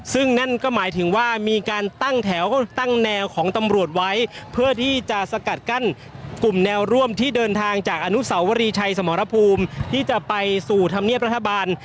ซึ่งนั่นก็หมายถึงว่ามีการตั้งแถวก็ตั้งแนวของตำรวจไว้เพื่อที่จะสกัดกั้นกลุ่มแนวร่วมที่เดินทางจากอนุสาวรีชัยสมรภูมิที่จะไปสู่ธรรมเนียบรัฐบาล